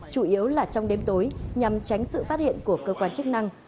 chủ yếu là trong đêm tối nhằm tránh sự phát hiện của cơ quan chức năng